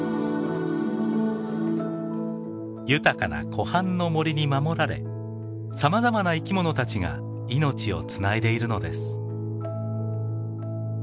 豊かな湖畔の森に守られさまざまな生き物たちが命をつないでいるのです。